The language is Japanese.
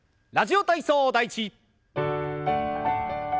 「ラジオ体操第１」。